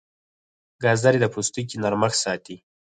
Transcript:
ګازرې د پوستکي نرمښت ساتي.